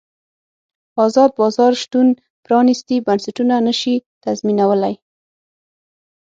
ازاد بازار شتون پرانیستي بنسټونه نه شي تضمینولی.